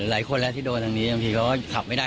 หลายคนแล้วที่โดนทางนี้บางทีเขาก็ขับไม่ได้